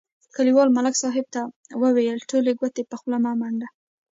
کلیوال ملک صاحب ته ویل: ټولې ګوتې په خوله مه منډه.